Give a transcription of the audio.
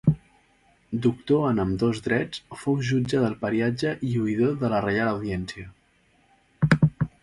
Doctor en ambdós drets, fou jutge del Pariatge i oïdor de la Reial Audiència.